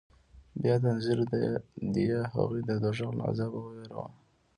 بيا تنذير ديه هغوى د دوزخ له عذابه ووېروه.